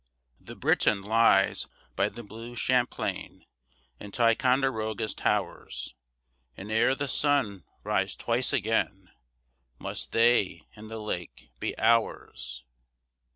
The Briton lies by the blue Champlain, In Ticonderoga's towers, And ere the sun rise twice again, Must they and the lake be ours.